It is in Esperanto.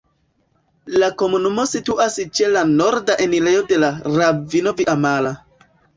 La komunumo situas ĉe la norda enirejo de la ravino Via-Mala.